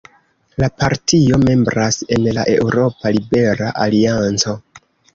La partio membras en la Eŭropa Libera Alianco.